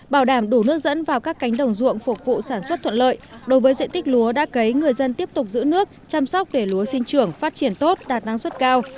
bảo đảm đủ nước dẫn vào các cánh đồng ruộng phục vụ sản xuất thuận lợi đối với diện tích lúa đã cấy người dân tiếp tục giữ nước chăm sóc để lúa sinh trưởng phát triển tốt đạt năng suất cao